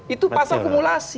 itu pasal kumulasi